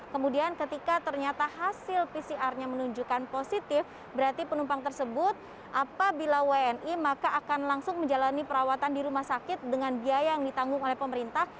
kemudian ketika ternyata hasil pcr nya menunjukkan positif berarti penumpang tersebut apabila wni maka akan langsung menjalani perawatan di rumah sakit dengan biaya yang ditanggung oleh pemerintah